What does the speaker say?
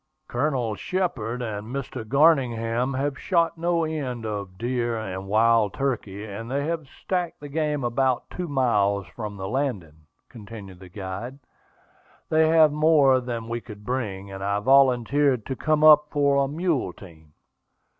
"Colonel Shepard and Mr. Garningham have shot no end of deer and wild turkey, and they have stacked the game about two miles from the landing," continued the guide. "They have more than we could bring, and I volunteered to come up for a mule team."